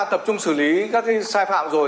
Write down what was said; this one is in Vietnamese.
tập trung xử lý các cái sai phạm rồi